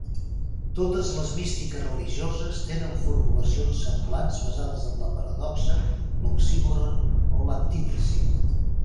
Totes les místiques religioses tenen formulacions semblants basades en la paradoxa, l'oxímoron o l'antítesi.